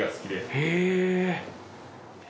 へえ。